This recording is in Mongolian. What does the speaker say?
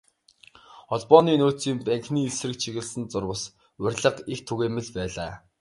Холбооны нөөцийн банкны эсрэг чиглэсэн зурвас, уриалга их түгээмэл байлаа.